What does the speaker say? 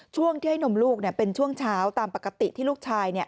ช่วงที่ให้นมลูกเป็นช่วงเช้าตามปกติที่ลูกชาย